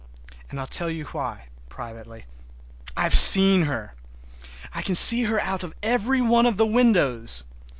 And I'll tell you why—privately—I've seen her! I can see her out of every one of my windows!